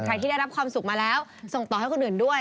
ที่ได้รับความสุขมาแล้วส่งต่อให้คนอื่นด้วย